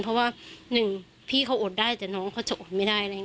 เพราะว่าหนึ่งพี่เขาอดได้แต่น้องเขาจะอดไม่ได้